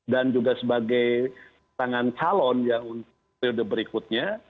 dan juga sebagai tangan calon yang untuk periode berikutnya